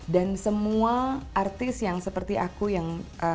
dan semua artis yang seperti aku yang